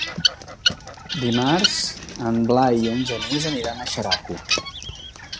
Dimarts en Blai i en Genís aniran a Xeraco.